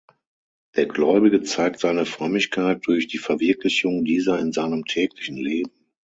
Der Gläubige zeigt seine Frömmigkeit durch die Verwirklichung dieser in seinem täglichen Leben.